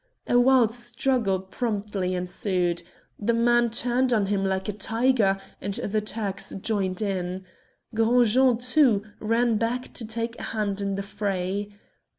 A wild struggle promptly ensued. The man turned on him like a tiger, and the Turks joined in. Gros Jean, too, ran back to take a hand in the fray.